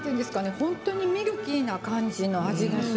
本当にミルキーな感じの味がする。